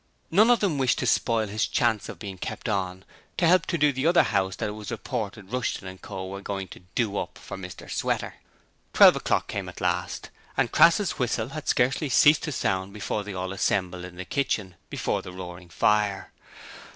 None of them wished to spoil his chance of being kept on to help to do the other house that it was reported Rushton & Co. were going to 'do up' for Mr Sweater. Twelve o'clock came at last, and Crass's whistle had scarcely ceased to sound before they all assembled in the kitchen before the roaring fire.